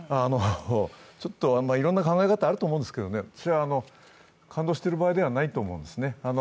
ちょっと、いろんな考え方あると思うんですけどね、私は感動している場合ではないと思うんですね。